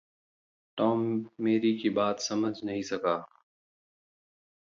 Tom Mary की बात समझ नहीं सका।